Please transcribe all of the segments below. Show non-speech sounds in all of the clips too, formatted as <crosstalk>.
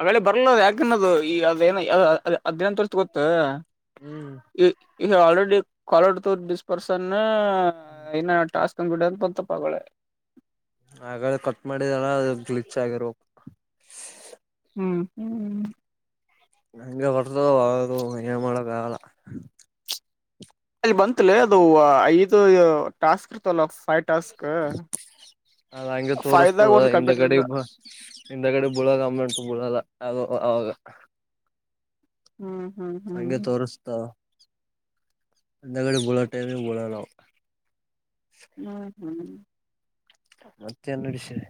ಅವೆಲ್ಲ ಬರುಲ್ಲ ಅದ್ ಯಾಕ್ ಏನೋ ಅದ್ <unintelligible> ಹ್ಮ್ ಈ ಈಗ್ ಆಲ್ರೆಡಿ <unintelligible> ಪರ್ಸ ಅಣ್ಣಾ ಇನ್ನ ಟಾಸ್ಕ್ ಅಂದ್ ಬಿಡ ಅಂತ <unintelligible> ಹಾಗಾದ್ರ ಕಟ್ ಮಾಡಿದಲ್ಲ ಅದ್ ಗ್ಲಿಚ್ ಆಗಿರಬೇಕ್. ಹ್ಮು ಹ್ಮು. <unintelligible> ಏನ್ ಮಾಡಕ್ ಆಗಲ್ಲ. ಅಲ್ಲಿ ಬಂತ್ಲೆ ಅದು ಐದು ಟಾಸ್ಕ್ ಇರ್ತಾವಾಲ <unintelligible> ಟಾಸ್ಕ್ ಅ ಫೈದಾಗ ಒಂದ ಕಂಪ್ಯೂಟರ್ ಇಲ್ಲಾ. ಹಿಂದಾಗಡೆ <unintelligible> ಬುಳಲ್ಲ ಅದು ಅವಾಗ. ಹ್ಮು ಹ್ಮು. ಹಂಗೆ ತೋರ್ಸ್ತಾ ಹಂದಗಡೆ <unintelligible> ಹ್ಮು ಹ್ಮು. ಮತ್ತ್ ಏನ್ ನಡ್ಸೆರಿ.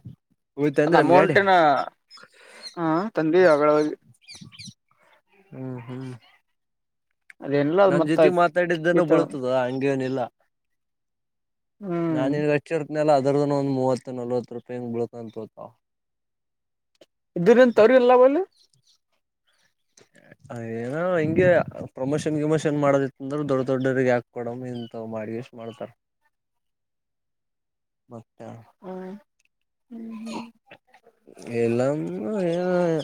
ಅದು ಅಮೌಂಟಿನ ಹಾ ತಂದಿ ಅವಗಳಿಗೆ <inaudible> ಹೂ ಹೂ <inaudible> ಅದೇನಿಲ್ಲ ಅದ್ ನನ್ನ ಮತ್ತ ಜೊತೆ ಮಾತಾಡಿದ್ದನ ಗೀತ ಬಳತದ ಹಂಗೇ ಏನ್ ಇಲ್ಲಾ? <inaudible> ಹ್ಮ್ ನಾನ್ ನಿನಗ ಹಚ್ಚಿರ್ತನೆಲ್ಲ ಅದರದ್ದನ ಒಂದ್ ಮೂವತ್ತು ನಲ್ವತ್ತ ರೂಪಯಿಂಗ್ ಬಳ್ಕಂತ ಹೋತಪಾ <inaudible> ಇದರಿಂದ ತರಿ ಇಲ್ಲ ವಲ್ಲಿ <inaudible> ಅ ಏನೋ ಹಿಂಗೆ ಪ್ರಮೋಷನ್ ಗಿಮೋಷನ್ ಮಾಡೋದಿತ್ತ ಅಂದರ ದೊಡ್ಡ ದೊಡ್ಡರಿಗೆ ಯಾಕ ಕೊಡಮ್ ಇಂಥ ಮಾಡಿ ಎಷ್ಟ. <inaudible> ಮಾಡ್ತಾರ. <inaudible> ಬರ್ತಾಳ <inaudible> ಹ ಹೇಳಿ ಹೇಳಿ <inaudible> ಎಲ್ಲಾಮ ಏನ್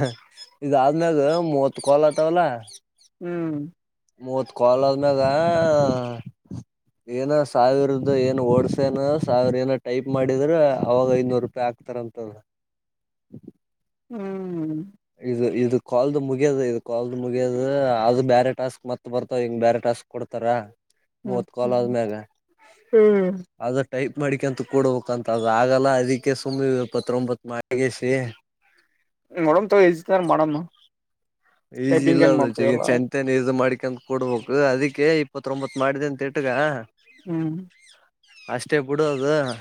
<inaudible> ಇದ ಆದ್ಮೇಗ ಮೂವತ್ತ ಕಾಲ್ ಅದಾವ ಅಲ್ಲ. <inaudible> ಹೂ <inaudible> ಮೂವತ್ತ ಕಾಲ್ ಆದ್ಮ್ಯಾಗ. <inaudible> ಏನ ಸಾವಿರದ ಏನು ಓಡ್ಸನ ಸಾವಿರ ಏನ ಟೈಪ್ ಮಾಡಿದ್ರೆ ಅವವಾಗ ಐದನೂರು ರೂಪಾಯಿ ಆಗ್ತ <inaudible> ಹಾಕ್ತಾರ ಅಂತ ಅವರ <inaudible> ಹೂ <inaudible> ಇದು ಇದು ಕಾಲ್ದ ಮುಗಿಯದ ಇದು ಕಾಲ್ದ ಮುಗಿಯದ ಅದು ಬೇರೆ ಟಾಸ್ಕ್ ಮತ್ತ ಬರ್ತಾವ ಹಿಂಗ ಬೇರೆ ಟಾಸ್ಕ್. <inaudible> ಕೊಡ್ತಾರ ಹ್ಮ್ ಮೂವತ್ತ ಕಾಲ್ ಹ್ಮ್ ಆದ್ಮ್ಯಾಗ. ಹ್ಮ್ <inaudible> ಅದ ಟೈಪ್ ಮಾಡಿಕಂತ ಕೊಡ ಬೇಕಂತದ ಅದ ಆಗಲ್ಲ ಅದಕ್ಕೆ ಸುಮ್ಮನೆ ಎಪ್ಪತ್ತರೋಂಬತ್ತ ಮಾಡಿಗೆಸಿ <inaudible> ನೋಡಮ ತಗ ಇಜಿ ತಾರ ಮಾಡಮು <inaudible> ಈಜಿ ಇಲ್ಲ ಅದು ಜಯಚಂದ <inaudible> ತನಗ ಇದನ ಮಾಡ್ಕಂತ ಕೊಡ್ಬೇಕು ಅದಕ್ಕೆ ಎಪ್ಪತ್ತರೋಂಬತ್ತ ಮಾಡಿದೆ ಅಂತ ಇಟ್ಟಗ. <inaudible> ಹೂ <inaudible> ಅಷ್ಟೇ ಬಿಡೋದು. <inaudible>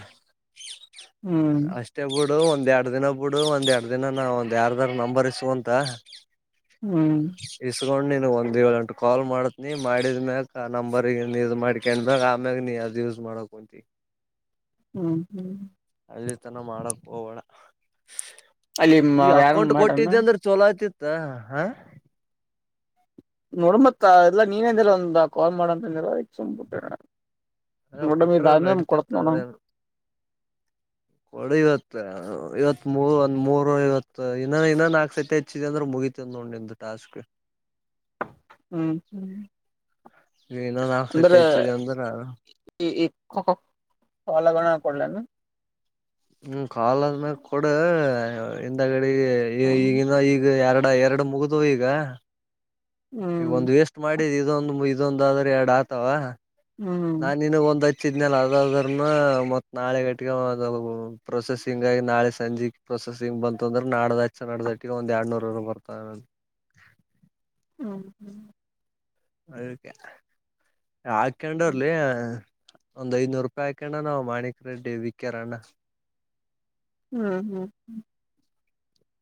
ಹೂ <inaudible> ಮತ್ತೇ ಬಿಡು ಒಂದ್ ಎರಡ್ ದಿನ ಬಿಡು ಒಂದ್ ಎರಡ್ ದಿನ ನಾ ಒಂದ್ ಯಾರದಾರ್ ನಂಬರ್ ಇಸೋಂಗದ <inaudible> ಹೂ <inaudible> ಇಸ್ಕೊಂಡ್ ನೀನ್ ಒಂದ್ ಏಳ್ ಎಂಟ ಕಾಲ್ ಮಾಡದಿನೀ ಮಾಡಿದ್ ಮ್ಯಾಕ್ ಆ ನಂಬರ್ ಗೆ ಇನ್ ಇದ ಮಾಡಿ <inaudible> ಕೆಂದರಾ ಆಮ್ಯಾಗ ನೀ ಅದ ಯೂಸ್ ಮಾಡಕ ಕುಂತಿ. <inaudible> ಹೂ <inaudible> ಅಲ್ಲಿ ತನ ಮಾಡಕ್ ಹೋಗೋ ಬೇಡಾ ಅಲ್ಲಿ ಈ ಯಾರನ್ ಅಕೌಂಟ್ ಮಾಡ್ರಣ ಕೊಟ್ಟಿದ್ದೆ ಅಂದ್ರ <inaudible> ಚೊಲೋ ಆಯತಿತ್ತ ಹಾ <inaudible> ನೋಡ ಮತ್ತ ಎಲ್ಲ ನೀನ್ ಅಂದಿರ ಒಂದ ಕಾಲ್ ಮಾಡಂತ ಅಂದಿರ ಅದಕ ಸುಮ್ಮ ಕುಂತೆ ನಾ <inaudible> ಅ ನೋಡದ ಕೊಟ್ರ ದಾನಮ ನಡತಿತ್ತ ಕೊಡತನ ಅವ <inaudible> ಒಳಿದ ಅತ್ತ ಇವತ್ತ ಮೂ ಒಂದ್ ಮೂರು ಐವತ್ತ ಇನ್ನ ಇನ್ನ ನಾಕ ಸತಿ ಹೆಚ್ಚಿದೆ ಅಂದ್ರೆ ಮುಗಿತ ನೋಡ ನಿಂದ <inaudible> ಟಾಸ್ಕ್. <inaudible> ಹೂ <inaudible> ಇನ್ ನಾಲ್ಕ ಸತಿ ಹೆಚ್ಚಿದ ಅಂದ್ರ <inaudible> ಈ ಈ ಕೋಕ್ ಹೋಲಾಗಳ ಕೊಡಲೇ ಏನ್? <inaudible> ಹೂ ಕಾಲ್ ಆದ್ಮೇಗ ಕೊಡ ಹಿಂದಗಡೆ ಈ ಹ್ಮ್ ಈಗ <inaudible> ಈಗ ಎರಡ ಎರಡ ಮುಗುದು ಈಗ. <inaudible> ಈಗ ಹ್ಮ್ ಒಂದ್ ವೇಸ್ಟ್ ಮಾಡಿದ್ ಇದೊಂದು ಇದೊಂದಾದ್ರೆ ಎರಡ ಆತಾವ ಹ್ಮ್ ನಾನ್ ನಿನಗ್ ಒಂದ ಹತ್ <inaudible> ಹಚಿದನಲ್ಲ ಅದ ಅದರನ ಮತ್ತ ನಾಳೆ ಗಟ್ಟಿಗೆ ಆದವು ಪ್ರೊಸೆಸಿಂಗ್ ಆಗಿ ನಾಳೆ ಸಂಜೆ <inaudible> ಪ್ರೊಸೆಸಿಂಗ್ ಬಂತ ಅಂದ್ರೆ ನಾಡ್ದ ಹಚ್ಚಿ ನಾಡದಟ್ಟಿಗೆ ಒಂದ ಎರಡ್ ನೂರನ ಬರ್ತಾವೆನಂತ. ಹ್ಞ ಹ್ ಅದಕ್ಕೆ ಹಾಕೊಂಡರ್ಲೆ. ಒಂದ್ ಐನೂರುಪಾಯಿ ಕಣ್ಣ ನಾವ್ ಮಾಣಿಕರೆಡ್ಡಿ ವಿಕೇರಣ್ಣ್. ಹ್ಮಂ ಹ್ಮಂ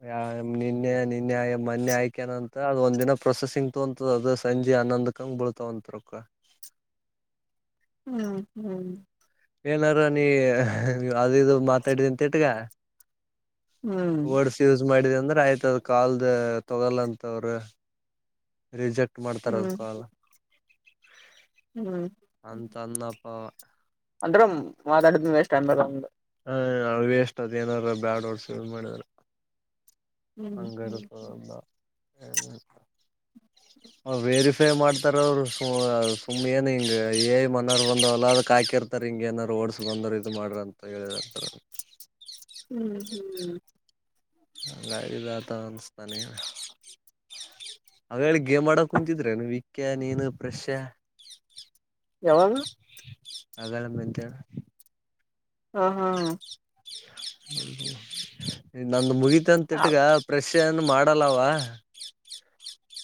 ಯ ನಿನ್ನೆ ನಿನ್ನೆ ಆ ಮೊನ್ನೆ ಆಯ್ಕ್ಯನ ಅಂತ ಅದು ಒಂದಿನ ಪ್ರೊಸೆಸಿಂಗ್ ತೊ ಅಂತದ ಅದು ಸಂಜೆ ಹನ್ನೊಂದಕ್. ತಂಗ್ ಬಳ್ತಾವ ಅಂತ ರಕ್ಕ. ಹ್ಮ್ ಹ್ಮ್ ಏನಾರ ನೀ ಅದು ಇದು ಮಾತಾಡಿದ ಅಂತ ಇಟ್ಗ. ಹ್ಮ್ ವರ್ಡ್ಸ್ ಯೂಸ್ ಮಾಡಿದ ಅಂದ್ರೆ ಆಯ್ತ ಅದ್ ಕಾಲ್ದ ತೊಗೋಲ್ಲಂತ ಅವ್ರರು. ರಿಜೆಕ್ಟ್ ಮಾಡ್ತಾರ ಅದು ಹ್ಮ್ ಕಾಲ್. ಅಂತ ಅನ್ನಪ್ಪ. ಅಂದ್ರ ಮಾತಾಡಿದ ವೆಸ್ಟ್ ಅಂದಿ ಅಂದ್ರ್. ಹ ಅ ವೇಷ್ಟಟ್ ಅದ್ನೇರ ಬ್ಯಾಡ್ ಓಡ್ಸ ಮಾಡಿದ್ರ. ಹ್ಮ್ ಹ್ಮ್ ಅಂಗರುತದಿಂದ ಏನ್. ಹ್ಮ ವೇರಿಫೈ ಮಾಡ್ತಾರ ಅವರು ಸು ಸುಮ್ಮ್ ಏನ್ ಹಿಂಗ ಏಐ ಮನೆಯರು ಬಂದವಲ್ಲ ಅದಕ್ ಹಾಕಿರ್ತ. ರ್ ಹಿಂಗ ಏನ್ ಓಡಸ್ ಬಂದ್ರು ಇದು ಮಾಡ್ರ ಅಂತ ಹೇಳಿದಂತಾರ. ಹ್ಮ್ ಹ್ಮ್ ಗಿದ ತನ್ ಸ್ಥಾನೀಯ. ಆಗಲೇ ಗೇಮ್ ಆಡೋಕ್ ಕುಂತಿದ್ರೆ ವಿಕ್ಕ ನೀನು ಪ್ರಶ್ಯ. ಯಾವಾಗ ಆಗಲಮ್ಮಂತ. ಹಾ ಹಾ ಹ ನಂದು ಮುಗಿತಂತ ತಿಟ್ಗ ಪ್ರೆಶ್ ಏನ್ ಮಾಡಲ್ಲವ.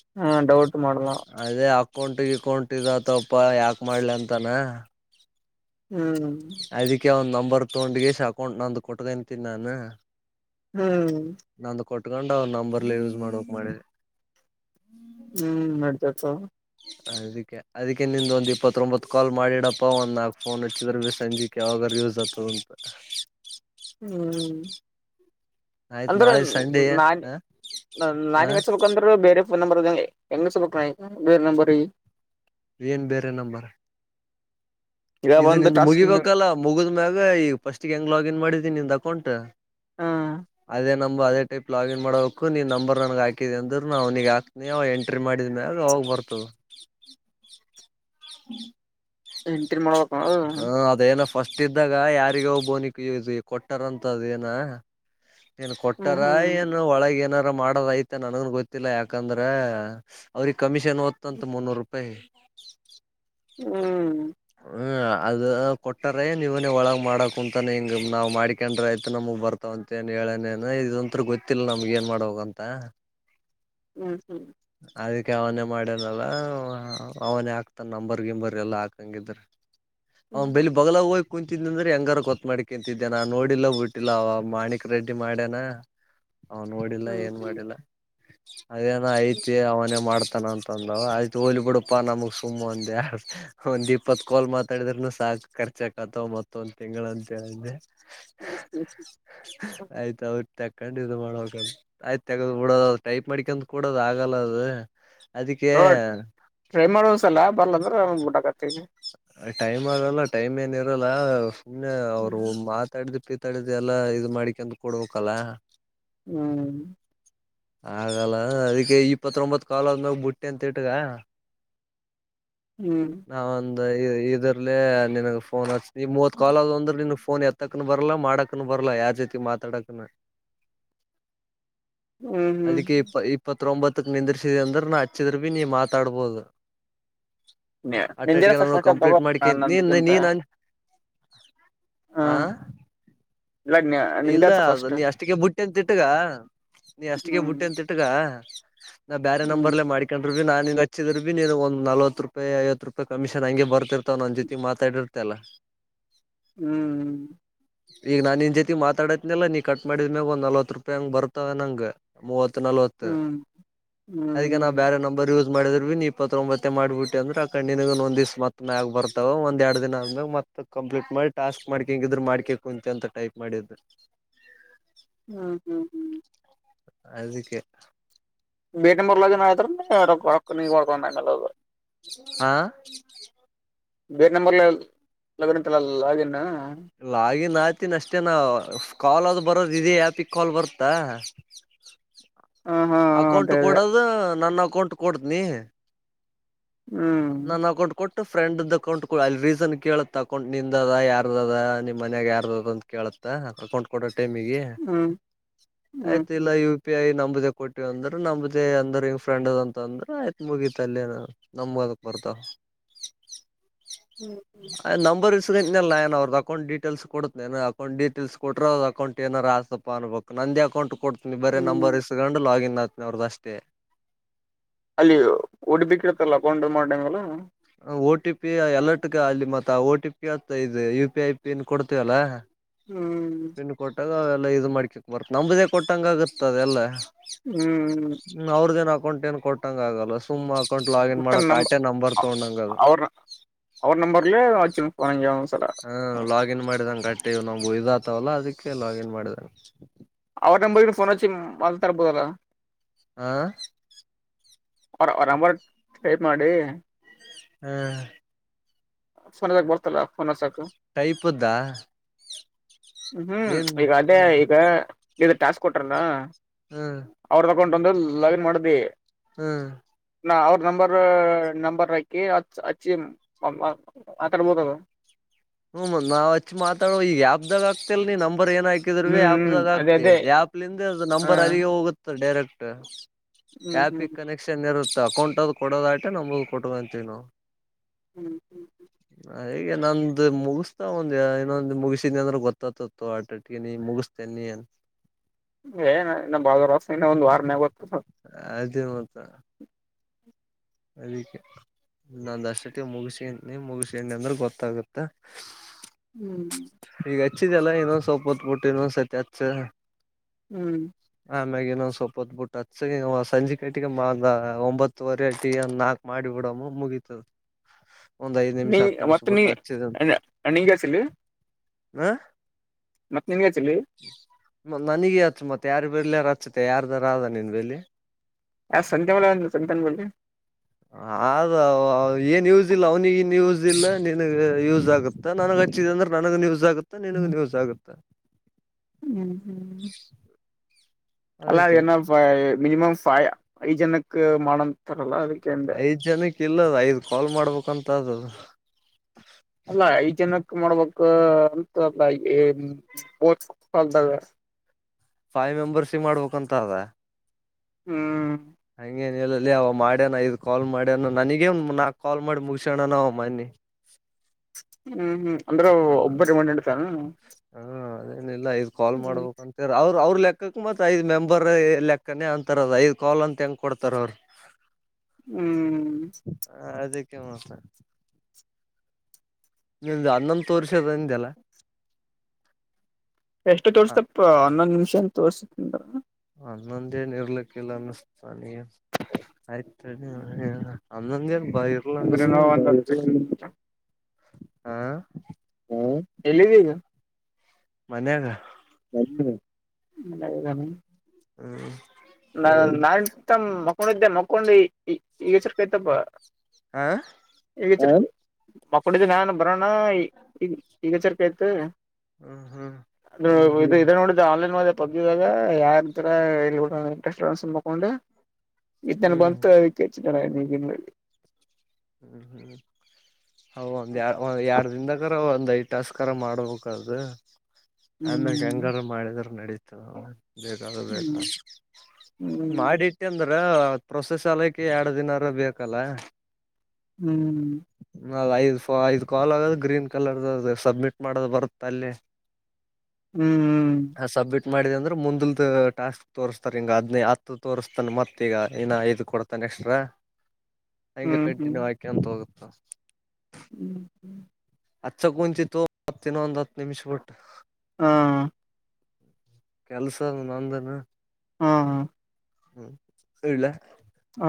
ಹ್ಮ ಅದೇ ಅಕೌಂಟ್ ಗಿಕೌಂಟ್ ಇದು ಆಗತವಪ್ಪ ಯಾಕ ಮಾಡ್ಲ ಅಂತಾನ. ಹ್ಮ್ ಅದಿಕ್ಕೆ ಅವ್ ನಂಬರ್ ತೊಗೊಂಡಗ ಎಸ್ ಅಕೌಂಟ್ ನಂದು ಕೊಟ್ಕಂತೀನಿ ನಾನು. ಹ್ಮ್ ನಂದು ಕೊಟ್ಕೊಂಡ್ ಅವ ನಂಬರ್ಲೆ ಯೂಸ್ ಮಾಡಕ್ ಮಾಡಿದೆ. ಹ್ಮ್ ನಡಿತಿ ತೊಗೊ. ಹದಕ್ಕೆ. ಅದಕ್ಕೆ ನಿಂದ ಒಂದ ಇಪ್ಪತ್ತತ್ರೋಬಂತು ಕಾಲ್ ಮಾಡಿಡಪ್ಪಾ ಒಂದ್ ನಾಕ್ ಫೋನ್ ಹಚ್ಚಿದ್ರರು ಸಂಜೆಕ್ ಯಾವಾಗ ಯೂಸ್ ಆಗ್ತದಂತ. <inaudible> ಹ್ಮ್ ಆಯ್ತ್ ಅಂದ್ರೆ ನಾಳೆ ಸಂಡೆ ನಾನ ಹ ಹ ನಾನಿಗ ಹಚ್ಚಬೇಕು. ಬಂದ್ರ ಬೇರೆಫೋನ್ ನಂಬರ್ ಇದಗೆ ಹೆಂಗ ಬ ಬೇರೆ ನಂಬರ್. ಏನು ಬೇರೆ ನಂಬರ್. ಇದು ಒಂದು ನಿಂದು ಟಾಸ್ಕ್ ಮುಗಿಬೇಕಲ್ಲ. ಮುಗಿದ ಮ್ಯಾಗ ಈಗ ಫಸ್ಟ್ ಹೆಂಗ್ ಲಾಗಿನ್ ಮಾಡಿದೀನಿ ನಿಂದ ಅಕೌಂಟ್ ಹ ಅದೇ ನಮ ಅದೇ. ಟೈಪ್ ಲಾಗಿನ್ ಮಾಡೋಕು ನೀ ನಂಬರ್ ನನಗೆ ಹಾಕಿದಿದೆ ಅಂದ್ರೆ ನಾ ಅವ್ನಿಗೆ ಹಾಕ್ತನಿ ಅವ ಎಂಟ್ರಿ ಮಾಡಿದ ಮ್ಯಾಗ ಅವಾಗ ಬರ್ತವೆ. <inaudible> ಹ್ಮ್ ಎಂಟ್ರಿ ಮಾಡೋಬೇಕ್. ಹ ಅದೇನೊ ಫಸ್ಟ್ ಇದ್ದಾಗ ಯಾರಿಗಾವ್ ಬೋನಿಕ್ ಕೊಟ್ಟಾರಂತ ಅದ್ ಏನೋ ಏನ್ ಹ್ಮ್ ಕೊಟ್ಟಾರ ಹ್ಮ್ ಏನು ಒಳಗೆ ಏನಾರ ಮಾಡೋದಯ್ತ್ ತ್ತ್ ನನಗ್ ಗೊತ್ತಿಲ್ಲ ಯಾಕಂದ್ರೆ ಅವ್ರಿಗೆ ಕಮಿಷನ್ ಓತ್ತು ಅಂತೆ ಮುನ್ನೂರು ರೂಪಾಯಿ. ಹ್ಮ್ ಹ್ಮ್ ಅದು ಕೊಟ್ಟರೆ ನೀವನೇ ಒಳಗ್ ಮಾಡಕ್ ಕುಂತಾನೆ ಹಿಂಗ್ ನಾವ್ ಮಾಡ್ಕೊಂಡ್ರ ಆಯ್ತು ನಮ್ಮವು ಬರ್ ಮ ಅಂತ ಏನ್ ಹೇಳನೇ ಇದೊಂತ್ರೂ ಗೊತ್ತಿಲ್ಲ ನಮ್ಗ ಏನ್ ಮಾಡ್ವ ಅಂತ. ಹ್ಞೂ ಹ್ಞೂ ಅದಕ್ಕೆ ಅವನೇ ಮಾಡ್ಯನಲ್ಲ ಅವನೇ ಹಾಕ್ತಾನೆ ನಂಬರ್ ಗಿಂಬರ್ ಎಲ್ಲಾ ಹಾಕಂಗಿದ್ರೆ. <inaudible> ಅವ್ ಬೆಲ್ಲಿ ಬಗ್ಲ ಹೋ ಕುಂತಿಂದ್ ಅಂದ್ರೆ ಹೆಂಗಾರ ಗೊತ್ ಮಾಡಿಕ ಕಂತಿದ್ದೇನಾ ನೋಡಿಲ್ಲ ಬಿಟ್ಟಿಲ್ಲ ಅವ ಮಾಣಿಕ್ ರೆಡ್ಡಿ ಮಾಡ್ಯನ. ಅವನ್ ನೋಡಿಲ್ಲ ಹ್ಮ್ ಏನ್ ಹ್ಮ್ ಮಾಡಿಲ್ಲ ಅದೇನೊ ಐತಿ ಅವನೇ ಮಾಡ್ತಾನೆ ಅಂತ. ತಂದ ಆಯ್ತು ಒಗಲ್ಲಿ ಬಿಡಪ್ಪ ನಮಗ್ ಸುಮ್ಮ್ ಅಂದೆ. ಒಂದ್ ಇಪ್ಪತ್ ಕೋಲ್ ಮಾತಾಡಿದ್ರರುನು ಸಾಕ್ ಖರ್ಚ ಆಕತವ ಮತ್ತೊಂದ್ ತಿಂಗಳ ಅಂತ ಹೇಳ್ರೆ. ಆಯ್ತ ಅವಟ್ ತಕೊಂಡು ಇದ್ಶಮಾಡ ಆಯ್ತ್ ತೆಗ್ ಬಿಡೊ ಟೈಪ್ ಮಾಡ್ಕಂತ್ ಕೂಡದ ಆಗಲ್ಲ ಅದು ಅದಿಕ್ಕೆ ಹ್ಮ ಟ್ರೈ ಮಾಡೋಂದಸಲ್ಲ ಬರಲ್ ಅಂದ್ರೆ ಬೂಟಕತ್ತಗೆ ಟೈಮ್ ಆಗಲ್ಲ ಟೈಮ್ ಏನೂ ಇರಲ್ಲ ಸುಮ್ಮನೆ ಹ್ಮ್ ಅವರು ಮಾತಾಡ್ದ್ ಪಿತ್ ತ್ತಡ್ದ ಎಲ್ಲಾ ಇದು ಮಾಡಿಕಂತ ಕೊಡ್ಬೇಕಲ್ಲ. ಹ್ಮ್ ಆಗಲ್ಲ ಅದಕ್ಕೆ ಇಪ್ಪತ್ತೊಂಬತ್ ಕಾಲ್ ಅದನಾಗ ಬುಟ್ಟಿ ಅಂತ ಇಟ್ಗ ಹ್ಮ್ ನಾವ್ ಒಂದ ಇದರ್ಲೆ ನಿನಗ್ ಫೋನ್ ಹಚ್ ಮೂವತ್ ಕಾಲ್ದ್ ಅಂದ್ರೆ ನೀನ ಫೋನ್ ಎತ್ತ್ ತ್ತಕನೂ ಬರಲ್ಲಾ ಮಾಡಾಕನ್ ಬರಲ್ಲ ಯಾರ್ ಜೊತೆ ಮಾತಾಡಕನೂ. <unintelligible> ಹ್ಮ್ ಅದಕ್ಕೆ ಇಪ್ ಇಪ್ ಇಪ್ಪತ್ತೊಂಬತ್ತಕ್ ನಿಂದಿರ್ಸಿದ ಅಂದ್ರೆ ನಾ ಹಚ್ಚಿದ್ರರು ಭೀ ನೀನ್ ಮಾತಾಡ್ಬೋದು. ನಿಂದೆ ಅಟಟಿಗೆ ಫಸ್ಟ್ ನ ಫಸ್ಟ್ ತಗೋ ಕಂಪ್ಲೀಟ್ ಮಾಡ್ಕ ನೀನ್ ನಂದಕ್ಕಿಂತ ನೀನ್ ಹ ಇಲ್ಲನ್ಯಾ ಇಲ್ಲ ಅದು ನೀ ಅಷ್ಟಿಗೆ ಬುಟ್ಟಿ ಅಂತಟ್ಟೀಗ ನೀ ಅಷ್ಟಿಗೆ ಹ್ಮ್ ಬುಟ್ಟಿ ಅಂತ ಇಟ್ಟಿಗ ನಾ ಬ್ಯಾರೇ ಹ್ಮ್ ನಂಬರ್ಲ್ಲೇ ಮಾಡ್ ಕಕೊಂಡ್ರೆ ಬಿ ನಾನ ಹಚ್ಚಿದ್ರರು ಬಿ ನೀ ಒಂದು ನವತ್ತು ರೂಪಾಯಿ ಐವತ್ತು ರೂಪಾಯಿ ಕಮಿಷನ್ ಹಂಗೆ ಬರ್ತಿರ್ತವ್ ನನ್ನ ಜೊತೆ ಮಾತಾಡಿದ್ ತ್ತೇಲ ಹ್ಮ್ ಹ್ಮ್ ಈಗ ನಾ ನಿನ್ ಜೊತಿ ಮಾತಾಡತ್ನಲ್ಲಾ ನೀ ಕಟ್ ಮಾಡಿದ್ಮ್ಯಾಗ ಒಂದ ನಲ್ವತ್ ರೂಪಾಯಿ ಹಂಗ್ ಬರ್ತವ ನಂಗ. ಮೂವತ್ತು ನಲ್ವತ್ತು ಹ್ಮ್ ಹ್ಮ್ ಅದಕ್ಕೆ ನಾವು ಹ್ಮ್ ಬೇರೆ ನಂಬರ್ ಯೂಸ್ ಮಾಡಿದ್ ಬಿ ನೀ ಇಪ್ಪತ್ತೊಂಬತ್ತೆ ಮಾಡಬಟ್ಟ ಅಂದ್ರೆ ಅಕ ಒಂದ ದಿವ್ ಮತ್ತ ಆಗ್ ಬರ್ತಾವ ಒಂದ್ ಎರಡು ದಿನ ಆದ್ ಕಂಪ್ಲೀಟ್ ಮಾಡಿ ಟಾಸ್ಕ್ ಮಾಡ್ಕ ಹಂಗಿದ್ರರು ಮಾಡ್ಕ ಕುಂತಿ ಅಂತ ಟೈಪ್ ಮಾಡಿದ್ ಹ್ಮ್ ಹ್ಮ್ ಹ್ಮ್ ಅದಿಕ್ಕೆ ಕೊದು <unintelligible> ಹಾ ಬೇರೆ ನಂಬರ್ ಲಾಗಿನ್ ಅತಲ್ಲ ಲಾಗಿನ್ ಲಾಗಿನ್ ಆತಿನ ಅಷ್ಟೇ ನಾ ಕಾಲ್ ಆದ್ ಬರೋದು ಇದೇ ಆಪಿಗೆ ಕಾಲ್ ಬರುತ್ತಾ. <inaudible> ಹಾ ಹಾ ಅಕೌಂಟ್ ಅದೇ ಕೊಡೋದು ನನ್ನ ಅಕೌಂಟ್ ಕೊಡ್ತನಿ. ಹ್ಮ್ ನನ್ ಅಕೌಂಟ್ ಕೊಟ್ಟು ಫ್ರೆಂಡ್ದ ಅಕೌಂಟ್ ಕೊಡು ಅಲ್ಲಿ ರೀಸನ್ ಕೇಳತ್ ಅಕೌಂಟ್ ನಿಂದ ಅದ ಯಾರ ಅದ. ಅದ ನಿಮ್ ಮನ್ಯಾಗ ಯಾರು ಅದ ಅಂತ ಕೇಳತ್ತ ಅಕೊಂಡ್ ಕೊಡ ಟೈಮಿಗೆ. ಹ್ಮ್ ಹ್ಮ್ ಆಯ್ತು ಇಲ್ಲ. ಹ್ಮ್ ಪಿ ಐ ನಂಬದೆೇ ಕೊಟ್ಟಿವ ಅಂದ್ರೆ ನಂಬ್ದೇ ಅಂದ್ರಿ ಫ್ರಂಡ್ದ ಅಂದ್ರೆ ಆಯ್ತತ್ ಮುಗೀತಲ್ಲಿ. ನಂಬರ್ ಬರ್ತಾವ್. ಹ್ಮ್ ನಂಬರ್ <unintelligible> ಅಕೌಟ್ ಡೀಟೇಲ್ಸ್ ಕೊಡ್ತಾನ ಅಕೌಟ್ ಡೀಟೇಲ್ಸ್ ಕೊಟ್ರೆ ಅಕೌಂಟ್ ಏನಾರ ಆಯ್ತಪ್ಪ ಅನ್ಬೇಕು ನಂದೇ ಅಕೌಂಟ್ ಕೊಡ್. ಬರೀ ಹ್ಮ್ ನಂಬರ್ ಇಸ್ಕೊಂಡು ಲಾಗಿನ್ ಆಗ್ತನ ಅವ್ರದ ಅಷ್ಟೇ. ಅಲ್ಲಿ <unintelligible> ಅಕೌಂಟ್ ಮಾಡಿವಾಲೆ. ಓ ಟಿ ಪಿ ಎಲರ್ಟ್ಗ ಅಲ್ಲಿ ಮತ್ತ ಟಿ ಪಿ ಅಂತ ಇದೆ U P I P N ಕೊಡ್ತೀವಲ್ಲಾ. ಹ್ಮ್ ತಿಂಡ ಕೊಟ್ಟಾಗ ಅವೆಲ್ಲ ಇದು ಮಾಡ್ಕಕ್ ಬರ್ತ್ತ ನಂಬದೆೇ ಕೊಟ್ಟಂಗ ಆಗತ್ತ ಅದೆಲ್ಲಾ. ಹ್ಮ್ ಹ್ಮ್ ಅವ್ರದ ಏ ಅಕೌಂಟ್ ಕೊಟ್ಟಟಂಗ ಆಗಲ್ಲ ಸುಮ್ ಅಕೌಂಟ್ ಲಾಗಿನ್ ಮಾಡಕ್ ಆಟೆ ನಂಬರ್ ತಗೊಂಡಂಗ ಅದು ಅವ ಅವ್ರ ನಂಬರ್ಲೆ <unintelligible> ಹಾ ಲಾಗಿನ್ ಮಾಡಿದಂಗ ಗಟ್ಟಿ ನಮ್ದು ಇದು ಆತವಲ್ಲ ಅದಕ್ಕೆ ಲಾಗಿನ್ ಮಾಡಿದ್ರೆ ಅವರ ನಂಬರ್ ಇದ್ರೆ ಫೋನ್ ಹಚ್ಚಿ ಮಾತಾಡಬಹುದಲ್ವಾ. ಹಾ ಅವ್ರ ಅಮೌಂಟ್ ಪೇ ಮಾಡಿ. ಹ್ಮ <unintelligible> ಫೋನ್ ಹಚ್ಚಕ್ಕಾ ಟೈಪುದ್ದ. ಹ್ಮ್ ಆಟೇ ಹ ಈಗ ಅದೇ ಟಾಸ್ಕ್ ಕೊಟ್ರಲ್ಲ. ಹ್ಮ್ ಅವ್ರ ಅಕೌಂಟ್ ಲಾಗಿನ್ ಮಾಡಿದಿ. ಹ್ಮ್ ನಾ ಅವ್ರ ನಂಬರ್ ನಂಬರ್ ಹಾಕಿ ಅದಿಕ್ಕೆ. ಮಾತಾಡಬಹುದೇನಾ. ಹ್ಮ ನಾ ಅಚ್ಚು ಮಾತಾಡೋ ಈಗ ಆ್ಯಾ್ದಾಗ ಆಗ್ತಿಲ್ ನೀ ನಂಬರ್ ಏನ ಆ್ತತಿ. ಹಾಕಿದ್ರ ಹ್ಮ್ ಹ್ಮ್ ಆಪ್ದಾಗ ಅದೇ ಆಗ್ತಿವಿ ಅದೇ ಆಪ್ಲಂದ ಅ ಹ ನಂಬರ್ ಅಲ್ಲಿಗೆ ಹೋಗುತ್ತ ಡೈರೆಕ್ಟ್. ಹ್ಮ್ ಹ್ಮ್ ಆಪಿಗೆ ಕನೆಕ್ಷನ್ ಇರುತ್ತೆ ಅಕೌಂಟದ ಕೊಡೋದ ಆಟೆ ನಮದು ಕೊಟ್ಕೊಂತೀವಿ ನಾವು. ಹ್ಮ್ ಹ್ಮ್ ಅದಿಕ್ಕೆ ನಂದು ಮುಗಿಸ್ತಾ ಒಂದ್ ಇನ್ನೊಂದು ಮುಗಿಸಿದಿ ಅಂದ್ರೆ ಗೊತ್ತಾತತ್ತು ಆ ಟಟ್ಟಿಗೆ ನೀ ಮುಗಿಸೀತಿನಿ. ಏ ರೊಕ್ಕ ಇಲ್ಲ ಇನ್ನ ಒಂದು ವಾರ ಮೇಲೆ ಗೊತ್ತಾ. ಅದೇ ಮತ್ತೆ. ಅದಕ್ಕೆ ನಷ್ಟೊಟ್ಟಿಗೆ ಮುಗಿಸ ಮುಗಿಸ್ಣಿ ಅಂದ್ರೆ ಗೊತ್ತಾಗುತ್ತೆ. ಹ್ಮ್. ಈಗ ಹಚ್ಚಿದಲ್ಲ ಇನ್ನೊಂದ ಸ್ವಲ್ಪ ಹೊತ್ತು ಬಿಟ್ಟು ಇನ್ನೊಂದ್ ಸತಿ ಹಚ್ಚ. ಹ್ಮ್. ಆ ಮ್ಯಾಗ ಇನ್ನೊಂದು ಸಲ್ಪ ಹೊತ್ ಬಿಟ್ಟು ಹಚ್ಚಿ ಸಂಜೆ ಕಟ್ಟಿಗೆ ಮಾಲ್ ಒಂಬತ್ತುವರೆ ಅಟ್ಟಿಗೆ ನಾಲ್ಕು. ಮಾಡಿ ಬಿಡಮ್ಮ ಮುಗೀತ್ತು. ನೀ ಮತ್ತ ನೀ ಬಿಟ್ಟು ಹಚ್ಚಿದ ಅಣ್ಣಾಗೆ ಹೇಳ್ತಿಲೇ. ಹಾ ಹಾ ಮತ್ತ್ ನಿನ್ಗೆ ಚಿಲ್ಲಿ ಮತ್ ನನಿಗೆ ಅಚ್ಚು ಮತ್ತ್ ಯಾರ ಬೇರೆ ಯಾರ ಹಚ್ಚತೆ ಯಾರ್ದಾರ ಅದ ನಿನ್ ಬೆಲಿ ಯಾ ಸಂಧ್ಯಾ ಬ ಸಂತ ಬಂದಿ <inaudible> ಅದು ಏ ಯೂಸ್ ಇಲ್ಲ ಅವನಿ ಯೂಸ್ ಇಲ್ಲ ನಿನಗೂ ಯೂಸ್ ಆಗುತ್ತಾ ನನಗ ಹಚ್ಚಿದ್ರೆ ನನಗೂನ್ ಯೂಸ್ ಆಗುತ್ತಾ ನೀನಗೂನು ಯೂಸ್ ಆಗುತ್ತಾ. ಹ್ಮ್ ಹ್ಮ್ ಅಲ್ಲ ಅದಕ್ಕೆ ಏನೋ ಮಿನಿಮಮ್ ಫೈವ್ ಐದು ಜನಕ್ ಮಾಡಂತಾರಲ್ಲ ಅದಕ್ ಐದ್ ಜನಕ್ಕೆ ಇಲ್ಲ ಅದ ಐದ್ ಕಾಲ್ ಮಾಡ್ಬೇಕಂತ ಅದು ಅಲ್ಲಾ ಐದ್ ಜನಕ್ ಮಾಡ್ಬೇಕು ಅಂತಲ್ಲ <unintelligible> ಫೈವ್ ಮೆಂಬರ್ಸ್ಸಿಗೆ ಮಾಡ್ಬೇಕಂತ ಅದ. ಹ್ಮ್ ಹಂಗೇನಿಲ್ಲ ಲ್ಲೇ ಅವ ಮಾಡ್ಯನ ಐದ್ ಕಾಲ್ ಮಾಡ್ಯನ ನನಗೇ ನಾಕ್ ಕಾಲ್ ಮಾಡಿ ಮುಗಸ್ಯಣನ ಅವ ಮೊನ್ನಿ ಹ್ಮ್ ಹ್ಮ್ ಅಂದ್ರೆ ಒಬ್ಬರಿ ಮ ನಡತಾರನ ಹಾ ಏನಿಲ್ಲ ಐದ್ ಕಾಲ್ ಮಾಡ್ಬೇಕಂತ ಅವರು ಅವ್ರ ಲೆಕ್ಕಕ್ ಮತ್ತ್ ಐದು ಮೆಂಬರ್ ಲೆಕ್ಕನೇ ಅಂತಾರದ್ ಐದ್ ಕಾಲ್ ಅಂತ ಹೆಂಗ್ ಕೊಡ್ತಾರ ಅವರೂ. <unintelligible> ಹ್ಮ್ ಹ ಅದಕ್ಕೆ ಮತ್ತೆ. ನಿನ್ದೂ ಹನ್ನೊಂದ್ ತೋರಷ್ದ್ ಅಂದಲ್ಲ ಎಷ್ಟು ಹ ತೋರ್ಸಪ್ಪ ಆನೊಂದು ನಿಮಿಷ ಅಂತ ತೋರ್ಸ ಹನ್ನೊಂದೇನು ಇರ್ಲಿಕ್ಕಿಲ್ಲ ಅನ್ನಿಸ್ತಾ ನನಿಗೇನ ಆಯ್ತ್ ಹನ್ನೊಂದ್ ಏನ್ ಬಾರಿ ಅಂದ್ರೆ ನಾವು ಹಾ ಹ್ಮ ಎಲ್ಲಿದ್ದೀ ಈಗ ಮನ್ಯಾಗ ನಲ್ಲ <unintelligible> ಹ್ಮ್ ನಾ ನಾ ಇತ್ತಲ ಮಕ್ಕಂಡಿದ್ದೆ ಲ್ಲ ಮಕ್ಕಂಡಿ ಎಚರ್ಕಯ್ತಪ್ಪ ಹಾ ಈಗ ಮಕ್ಕಡಿದ್ದು ನಾನ್ ಬರೋಣ ಈಗ ಈಗ ಎಚ್ಚರಿಕೆ ಆಯ್ತು ಹ್ಮ ಹ್ಮ್ ಅ ಇದು ಇದ್ ನೋಡಿದ ಆನ್ಲೈನ್ ಒಳಗ ಮುಂದೆ ಪಬ್ಜಿದಾಗ ಯಾರ ತರ ಇರ್ಬೇಕು. ರಸ್ಟೋನ್ಸ್ ಮಕೊಂಡು ಇತರ ಹ್ಮ್ ಬಂತು ಅದಕ್ಕೆ ಹೆಚ್ಚು ಜನ ಈಗಲ್ಲಿ ಹ್ಮ್ ಹ್ಮ್ ಹ ಒಂದ್ ಯ ಒಂದ್ ಎರಡ್ ದಿಂದ ಗಾರ ಒಂದ್ ಐದು ಟಾಸ್ಕ್ರಾರ ಮಾಡ್ಬೇಕು ಅದು. ಆಮ್ಯಗ ಹ್ಮ್ ಹೆಂಗಾರ ಮಾಡಿದ್ರೆ ನಡೀತದ ಬೇಕಾದ್ರ ಬೇಕ್ ಹ್ಮ್ ಹ್ಮ್ ಮಾಡಿಟ್ಟೆ ಅಂದ್ರೆ ಪ್ರೋಸಾಸ್ ಆಗಲಿಕ್ಕಎರಡು ದಿನಾರೂ ಬೇಕಲ್ಲ. ಹ್ಮ್ ನ ಐದ್ ಕಾಲ್ ಆಗದು ಗ್ರೀನ್ ಕಲರ್ ಸಬ್ಮಿಟ್ ಮಾಡದು ಬರುತ್ತೆ ಅಲ್ಲಿ. ಹ್ಮ್ ಹ ಸಬ್ಮಿಟ್ ಮಾಡಿದೆ ಅಂದ್ರೆ ಮುಂದಲ್ದ ಟಾಸ್ಕ್ ತೋರ್ಸ್ತಾರೆ ಹಿಂಗ ಅದ್ನೇ ಹತ್ತು ತೋರ್ಸ್ತಾನ ಮತ್ತ ಈಗ ಇನ್ನ ಐದು ಕೊಡ್ತಾನ ಎಕ್ಸ್ಟ್ರಾ ಹಂಗೆ ಹ್ಮ್ ಹ್ಮ್ ಕಂಟಿನ್ಯೂ ಹಾಕೆಂತ ಹೋಗುತ್ತಾ. ಹ್ಮ್ ಹ್ಮ್ ಹಚ್ಚಕುಂತಿತೊ ಮತ್ತಿನ ಒಂದ್ ಹತ್ತು ನಿಮಿಷ್ ಬಿಟ್ಟು ಹಾ ಕೆಲಸದ ನಂದನ ಹಾಂ ಹಾಂ ಹ್ಮ್ ಇಡ್ಲ್ಯಾ ಹಾ